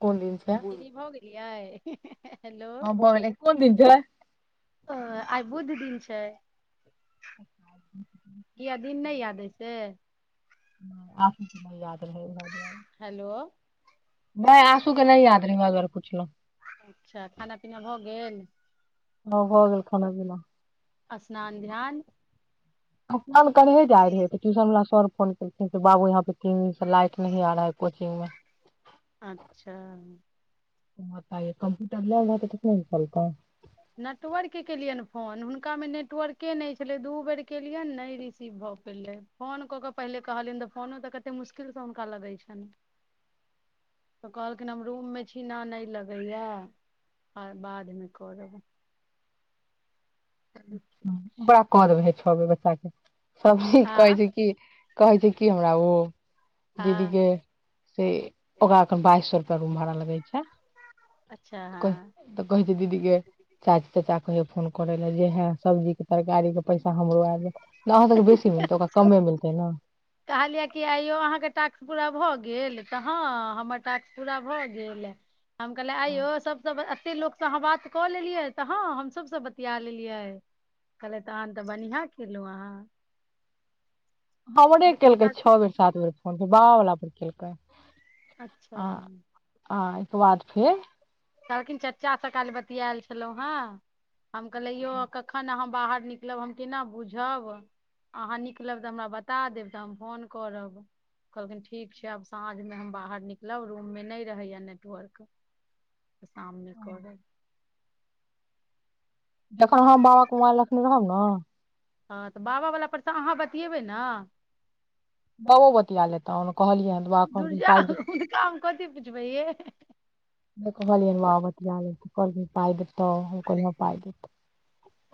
कोन दिन छै देलिए ह [inaudible] हँ भय गेलै कोन दिन छैक ओ आइ बुध दिन छैक किया दिन नहि याद अछि से आना याद रह हेलो [unintelligible] तू केहना याद री बाद बार पुछलो अच्छा खाना पीना भऽ गेल हा भ गेल खाना पीना स्नान ध्यान करहे जाइ रहै त ट्यूशन वला सर फोन केलखिन बाबू यहाँ पे तीन दिनसँ लाइट नहि आ रह है कोचिंगमे अच्छा कम्प्यूटर लब त क फ चलत [unintelligible] नटवरकेँ केलियनि फोन हुनकामे नेटवर्के नहि छलै दू बेर केलियनि नहि रिसीव भऽ पयलै फोन कऽ कऽ पहिले कहलियनि तऽ फोनो तऽ कतेक मुश्किलसँ हुनका लगैत छनि तऽ कहलखिन हम रूममे छीना नहि लगैए आ बादमे करब चलू ठीक। बड़ाक बादबै [unintelligible] छ बे बच्चाे [unintelligible] सब ठीक आ कहैत छै कि कहैत छै की हमरा ओ दीदी हँ केँ [unintelligible] दीके से ओक बइ स रप रूम भाड़ा लगैत छैक अच्छा तऽ हँ कहै छै दीदी केँ चा च कहि फोन करै लए जेए हइ सब्जी केँ तरकारी केँ पैसा हमरो आ त अहाँ तक बेसी मतै ओरा कमे मिलत तना कहलियै कि आइयौ अहाँके टास्क पूरा भऽ गेल तऽ हँ हमर टास्क पूरा भऽ गेल हम कहलियै आइयो सबसँ एते लोक त अहाँ बात कऽ लेलियै तऽ हँ हमसभसँ बतिया लेलियै कहलै तहन तऽ बढ़िआँ खेलहुँ अहाँ हमरे लेकिन केलक हुनका सब- छओ बेर सात बेर फोन बाहला िकलक [inaudible] अच्छा केँ बाद फेर कहलखिन चचासँ काइल बतियाएल छलहुँ हेँ हम कहले यौ कखन हम बाहर निकालब हम केना बुझब अहाँ निकलब तऽ हमरा बता देब त हम फोन करब कहलिन ठीक छै आब साँझमे हम बाहर निकलब रूमे नहि रहैय नेटवर्क त शाममे करब जखन हम बाबा कुमार लखने रहब हँ हँ तऽ बाबावला परसँ अहाँ बतियेबै ने अहो बतिया लेताहु ओ कहलियै ह दुआ कहलखिन पा देत भैए कहलिय बतिया ले कहल पा देतौ पा देत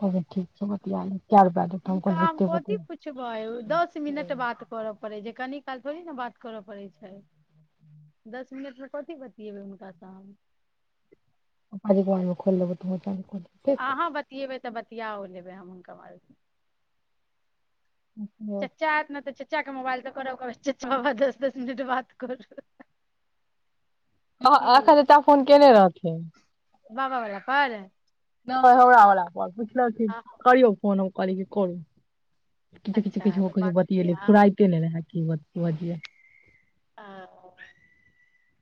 कह ठीक छौ बतिया ले कै रुपया देतौ हुनका कहलियै हम जते कथी बतिया पुछबै दस मिनट बात करऽ पड़े छै कनि काल थोड़ी ने बात करऽ पड़ै छै दस मिनट मे कथी बतियेबे हुनका स हम काजी कोमे खोेब त मच आहाँ बतीयेबइ तऽ बतिया औ लेबै हम हुनका एखन चच्चा ऐतऽ न त चच्चा के मोबाइल से करल करबै चच्चा दस दस मिनट बात करू ह की एखन त चच्चा फोन केने रहथिन बाबा बला पर नइ हमरा बला पर पुछलथीन हँ करियो फोन कहलि की करू किछु किछु अच्छा किछु तऽ किछु बात करियै बतियेली अहाँ फुरैते नइ रेहा की ब बजियय आ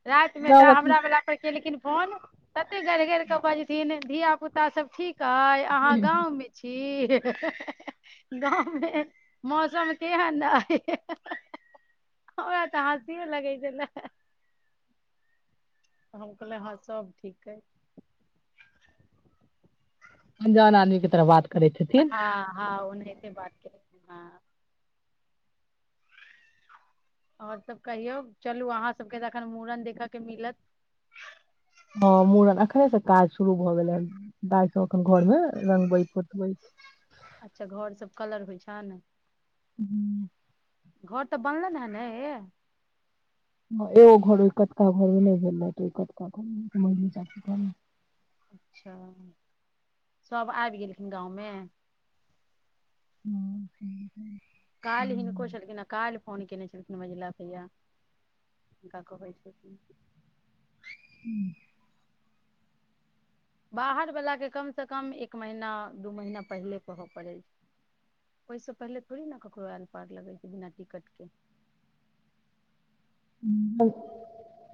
राति मे तऽ हमरा बला पे केलखीन तन कते गढ़ि गर केऽ बजथिन धिया पुता सब ठीक त अहाँ गाँंवमे छी गाँवमे मौसम केहन अई हमरा त हं सी लगै छले हम कहले हँ सब ठीक अए अंजान आदमीे के तरह बात करै छथिन हँ हँ ओ से बात कर ह ओर सब कहियौ चलू अहाँ सबके तऽ एखन मूड़न देखय के मिलत हँ मूड़न एखने से काज शुरू भऽ गेलै ह दाइ सबन घरमे रंगबै पोतबैत अच्छा घर सब कलर होइ छन हू घर तऽ बनलैन है न ए एो घर औई कतका घर में नहि भल रेहा औई कतका घर में मंगली चाची के घर में अच्छा सभ आबि गेलखिन गाँव मे हूँ हूँ हूँ काल हिनको छल्किन आ काल फोन केने छलखिन मझीला भईया हुनका कहै छतीन [unintelligible] बाहर वलाके कम स कम एक महीना दू महीना पहिले कहय पड़ै छै ओहिसे पहिले थोड़े ने ककरो आयल पार लगै छै बिना टिकट के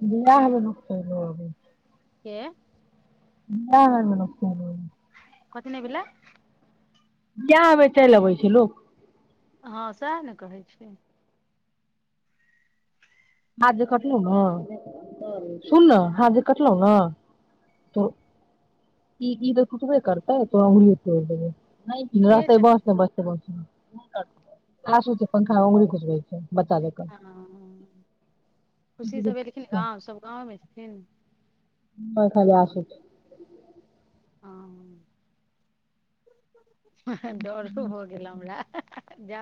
बिआमे नकसै लबै [unintelligible] के नई कथि नइ भेलै बीयाह में चइल अबै छै लोक हँ सेहा ने कहै छिय हाथ जे कटलउ ने सुन ने हाथ जे कटलउ ने त ई ई त टुटबे करतौ ई तोहर अंगलीयो तोइर दैबौ नइ के रहतै बस छथिन मे बसतै बस मे आसु छै पंखा में औगरी घुसबय छै बच्चा जकाँ ह खुशी सभ एलखिन गाँव सभ गाँवमे छथिन नई खाली आशु हँ डर हो भअ गेलौ हमरा जा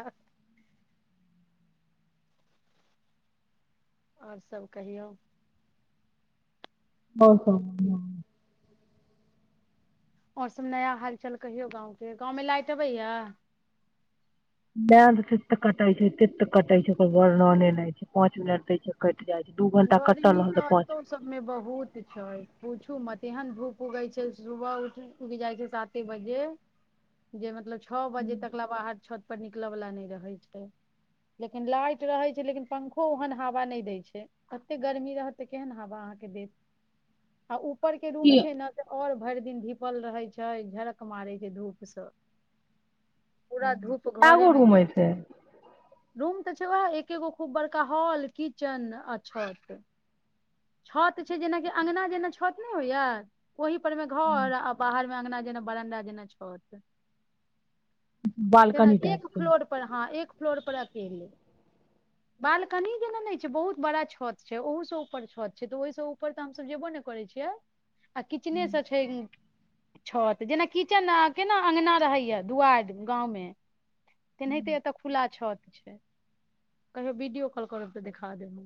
आओर सभ कहियौ आओर सब बढ़िया अछि आओर सब नया हालचाल कहियौ गाँवके गाँवमे लाइट अबैया लाइन त तत कटै छै कटा छै ओकर तत कटै छै ओकर वर्णने छै पाँच मिनट द छै जाइ छै दू घंटा कटल गर्मी रहल तऽ पाँच एतो सबमे बहुत छै पूछू म तेहन धूप उगै छै सुबह उठ उग जाइ छै साते बजे जे मतलब छओ बजे तक ले बाहर छ पर निकलय वालला नहि रहै छै लेकिन लाइट रहै छै लेकिन पंखो ओहन हवा नहि दै छै कते गर्मी रहत केहन हवा अहाँके देत आ उपर के रूम की छै ने ओर भरि दिन धीपल रहै छै झरक मारै छै धूप स पूरा धूप घरे एगो मे रूम अइ जाइ से छै रूम तऽ छै ओएह एकेगो खूब बड़का हॉल किचन छत छत छै जेनाकि अङगना जेना छत नहि होइया ओहि पर में घर बाहर अङ्गना जेना बरनडा जेना छत केना बालकनी टाइप एक फ्लोर पर हँ एक फ्लोर पर अकेले बालकनी जेना छै बहुत बड़ा छ छत छै ओहो सब ऊपर छत छै तऽ ओहिसँ ऊपर तऽ हमस जेबो ने करै छियै आ किचनेसँ छै छ तऽ जेना किचन केना अङ्गना रहैए दुआरि गाँवमे तेनाहिते एतऽ खुला छत कहियो वीडियो कॉल करब तऽ देखा देब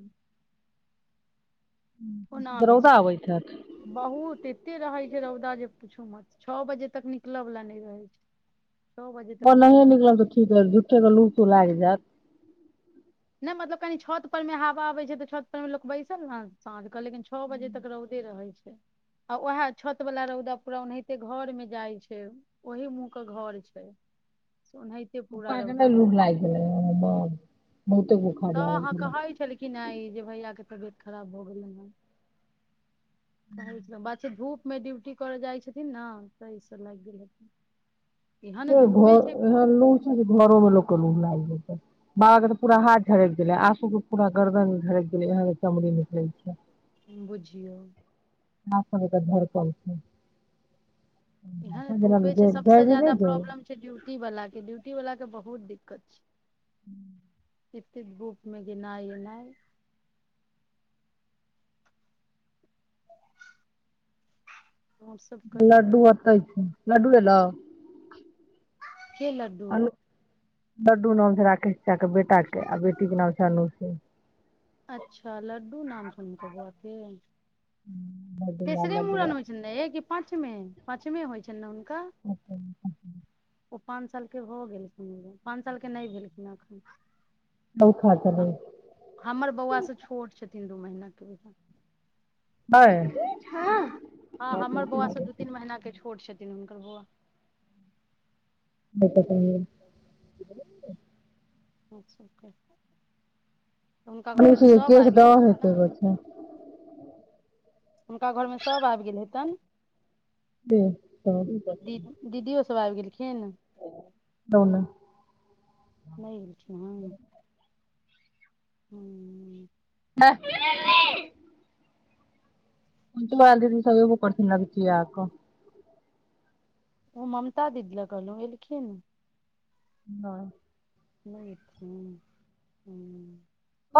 के कोनामे रौदा छै अबैत हैत बहुत ए कते रहै छै रौदा जे पूछू मत छओ बजे तक निकलय वला नहि रहै छै छओ बजे तक ओ नहिए रौदा रहै निकल छै तऽ ठीक रह झूठेके लू तू लागि जायत नहि मतलब कनि छत पर में हवा आबै छै तऽ छत पर मे लोक बैसल ने साँझ लेकिन छओ बजे तक रौदे रहय आ वएह छत वालला रौदा पूरा ओनाहिते घर मे जाइ छै ओहि मुह के घर छै ओना ओप लूग लाग गेल बहुत तऽ अहाँ कहै छलखिन हे जे भैया के तबियत खराब भ गेलै हन स बात छै धूप मे ड्यूटी करऽ जाइ छथिन ने तऽ ई सब लागि गेल हथिन नहि घ लू छै घरमे लोक लू लाग जा छै बाबा के तऽ पूरा हाथ झड़क गेले आंसू के पूरा गर्दन हर दर चमरी निकै छै बुझियौ न फर तऽ घर पल छै इहन जेना धूपे छै सबस ज जरि नहि जााददा जाइ प्रॉब्लम छै ड्यूटी वाला के ड्यूटी वाला के बहुत दिक्कत [inaudible] ह्म्म एतेक धूप मे जेनाइ एनाइ आओर सब कहियौ लड्डू आता इ छैे लडू ल ला के लडू लड्डू नाम छै राकेश चाे बेटाके आ बेटीके नाम छै अनु सिंह अच्छा लड्डू नाम सुन हीनकर बऊआके तेसरे लड्डू मूड़न ला होइ छनि ने एक पाँचमे पाचमे होइ छनि ने हुनका पाँच सालके हो गेलखिन पाँच सालके नहि भेलखिन एखन चौथा चलै हमर बौआ सब छोट छथिन दू महिना क भै त नइ हँ हमर बौआ सब दू तीन महिना के फोट छथिन हुनकर बउआ [unintelligible] ह अच्छा [unintelligible] हुनका घरमे सभ आबि गेल हेतनि ह [unintelligible] खिन दोन नहि एलखिन हँ हू [unintelligible] पुनंचला दीदी सब ऐबो करथीन लगचिया क ओ ममता दीदी ल कहलहु एलखिन नइ नहि एथिन हूँ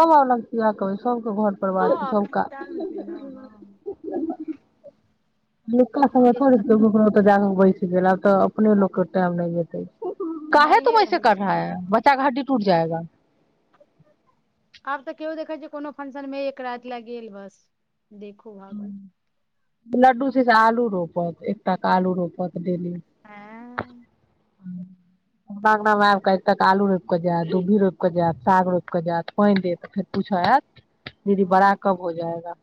[unintelligible] इह कहबै सबके घर परिवार हँ एखन सबका विचार मे छै ने हँ लक सङ एखनो थोे एक द सप्ताह दुत जग ब गेला तऽ अपने लोक के टाइम नहि जेते काहे नहिये तुम रहै ऐसे कर छै हँ रहाै बच्चा क हड्डी टूट जाएगा आब तऽ केओ देखैत छै कोनो फंक्शनमे एक राति लए गेल बस देखू भागू लड्डू से से आलू रो रोपत एकटा क आलू रोपत डेली ऐं [unintelligible] गनामे आब क तक आलू रोपि कऽ जायत दुभी रोपिऽ जायत साग रोपि कऽ जायत पानि देत तऽ फेर पूछऽ आयत दीदी बड़ा हँ कब हो जाएगा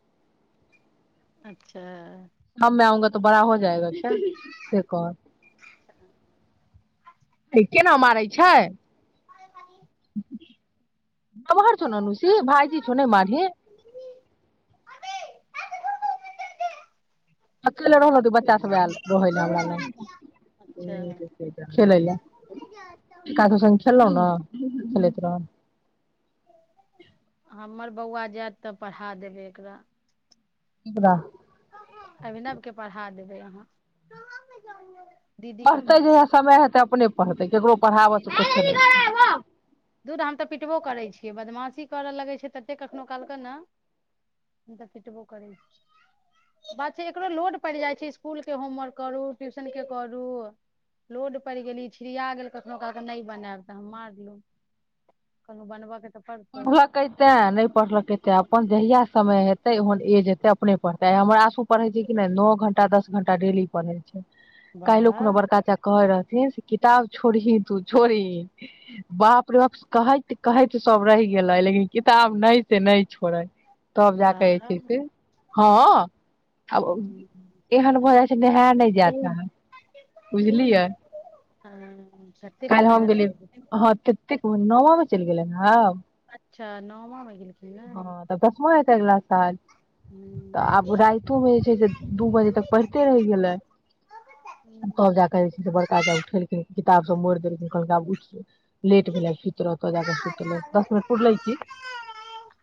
अच्छा हम मै आंगा तो बड़ा हो जाएगा से कह केना मारै छै आय हाय नमहर छ ननुसी भइजी छ ने मढ़ी अक ल रहल ब ल हमरा ल अच्छा खेलै ल को स खेललहुं ने ्राम हमर बौआ जायत तऽ पढ़ा देबै एकरा का ैहाँ पढ़तै जहिआा समय हेतै अपने पढ़तै ककरो दीदी पढ़ाबयसँ के किछो पास नहि जे बदमाशी करऽ लगै छै। तते कखनो कालके ने हम तऽ फिटबो करै छी। बच एकरो लोड पड़ि जाइ छै। इसकुल के होमवर्क करू ट्यूशन के करू लोड पड़ि गेली छिड़िया गेल कखनो कहलक नहि बनायब तऽ हम मारलहु कलहु बनबयके तऽ पड़तौ पढ़लके ते नहि पढ़लके ते अपन जहिया समय हेतै े ओहन एज एेते अपने पढ़ते आ हमर आंसू पढ़े छै। किी नहि नओ घंटा दस घंटा डेली पढ़े क लोको कोनो वाह बड़का चा कहे रह किताब छोड़ही तू छोड़ीह बाप रे बाप कहैत कहैत सब रह गेले लेकिन किताब नहि से नहि छोड़ै। तब जा कऽइ वाह छै। से हँ आब हूँ। एहन भ जाइछै नेहै नहि जा चाहत बुझलियै हँ कते काल्हि हम मेहनत गेलिय करै छथिन हँ। ततेक न चलि गेलनि ह ह अच्छा नौमा मे गेलखिन ने तऽ दसमा हेतै अगिला साल हम्म तऽ आब राइतोमे जे छै। से दू बजे तक पढ़िते रहि गेलै हम्म। तब जा कऽ जे छै। से बड़काक उठेलखिन किताब सब मोइर देलकै कहलकै आब उठि जो लेट भेलइ सुत रहतऽ जाकऽ सुतले तऽ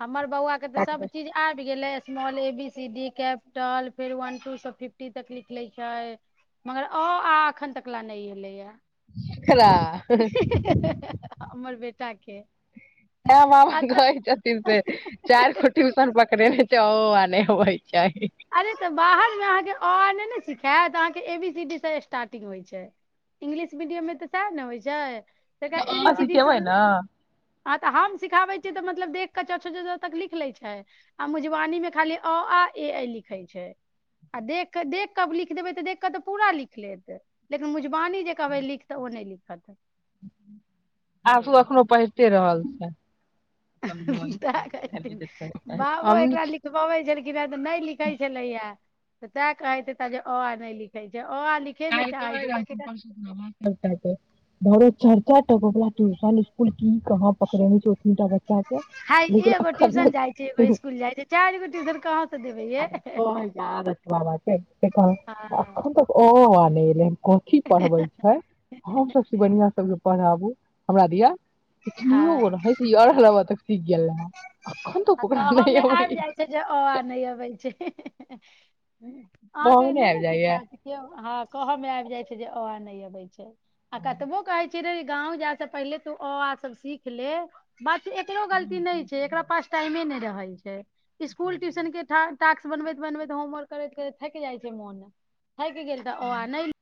हमर बौआ के तऽ सब चीज आबि गेलै small A C D capital फेर वन टू स फिफ्टी तक लिखले छै। मगर अ आ अखन तक ला नै एलै या एकरा हमर बेट टाके त मामा गै छथि। से चार गो टुइसन पकड़े त अओआ नहि अबै छै अरे तऽ बाहर अहाके अ आ नहि ने सिखायत अहाँके एबी सीडी स स्टार्टिंग होइ छै। इंगलिश मीडियम मे तऽ सएह ने होइ छै। ी अहाँ सीी सिखेबै ने ह तऽ हम सिखाबै मतलब देख क च छ ज झ तक लिख ले छै आ मजवानी मे खाली अ आ ए ऐ लिख झैछै आ देख क देख कऽ लिख देबै तऽ देख कऽ तऽ पूरा लिख लेत लेकिन मजबानी जे कहबै लिखत ओ नहि लिखत आसु अखनो पहिरते रहल छै। छै बाबा हम एकरा लिखबाबै छलिन [unintelligible] तऽ नहि लिखै छलैया तऽ तैं कहैत हेताजे अ आ नहि लिखै छय कायल कहय रहथिन परसु खुना मास्टर साहब के छनि ओय थे टूशन इकुल की कहाँ पकड़ेने छै एतनी टा बचा छै हय लेकिन एगो अखन ट्यूशन जाइ छै नै एगो स्कुल जाइ छै चारि गो ट्यूशन कहाँ से [unintelligible] [unintelligible] देबै ये कथी हँ पढ़बे छै हम सब से बढ़िया सब के पढ़ाबू हमरा दिया हँ इतनियो राहय त य र ल व तक सीख गेले ने आ कहऽ मे आबि जाइ छै जे अ आ नहि अबै छै [inaudible] अहाँके कहमे एने नहि आबि ने जाइया सिखायल कहऽ में आबि जाइ छै जे आ नहि अबै छै आ हँ कतबोक कहय छीये गाँव जा त पहिले तू अ आ सब सीख ले ब एकरो गलती नहि छै एकरा पास छै इकुल ट्यश बनन होर् थकि जाइ छै मोन हइट गेल तऽ ओ आ नहि